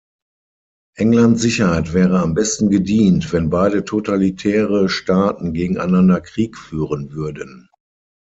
Englands Sicherheit wäre am besten gedient, wenn beide totalitäre Staaten gegeneinander Krieg führen würden.